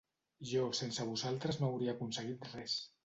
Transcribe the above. Jo sense vosaltres no hagués aconseguit res.